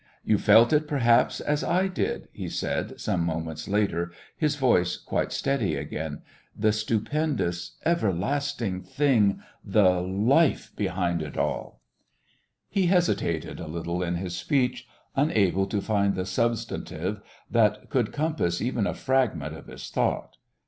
"You felt it, perhaps, as I did," he said some moments later, his voice quite steady again. "The stupendous, everlasting thing the life behind it all." He hesitated a little in his speech, unable to find the substantive that could compass even a fragment of his thought.